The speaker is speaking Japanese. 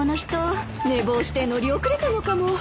寝坊して乗り遅れたのかも。